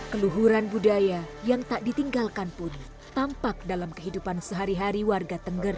keluhuran budaya yang tak ditinggalkan pun tampak dalam kehidupan sehari hari warga tengger